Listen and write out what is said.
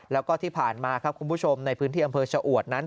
แล้วก็ที่ผ่านมาครับคุณผู้ชมในพื้นที่อำเภอชะอวดนั้น